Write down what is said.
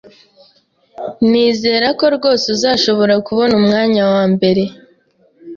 Nizera ko rwose uzashobora kubona umwanya wa mbere.